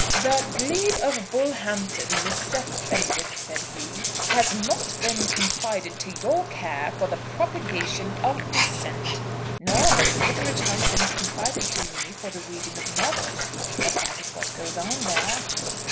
"The glebe of Bullhampton, Mr. Fenwick," said he, "has not been confided to your care for the propagation of dissent." "Nor has the vicarage house been confided to me for the reading of novels; but that is what goes on there."